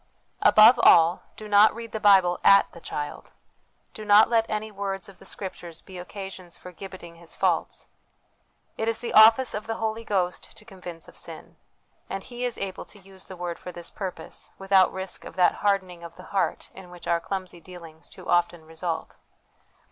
Above all, do not read the Bible at the child : do not let any words of the Scriptures be occasions for gibbeting his faults. It is the office of the Holy Ghost to convince of sin ; and He is able to use the Word for this purpose, without risk of that hardening of the heart in which our clumsy dealings too often result.